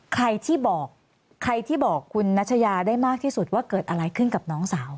ใครที่บอกใครที่บอกคุณนัชยาได้มากที่สุดว่าเกิดอะไรขึ้นกับน้องสาว